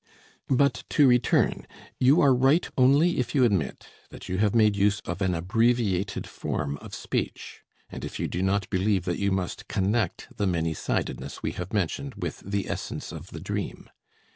But to return, you are right only if you admit that you have made use of an abbreviated form of speech, and if you do not believe that you must connect the many sidedness we have mentioned with the essence of the dream.